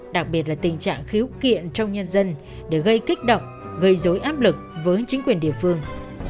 đặc biệt là tình trạng khiếu kiện trong nhân dân để gây kích động gây dối áp lực với chính quyền địa phương